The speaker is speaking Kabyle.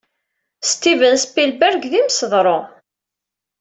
Steven Spielberg d imseḍru.